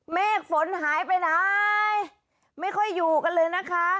เมฆฝนหายไปไหนไม่ค่อยอยู่กันเลยนะคะ